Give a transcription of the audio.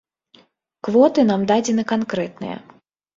Квоты нам дадзены канкрэтныя.